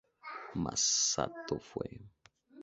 Masato Fue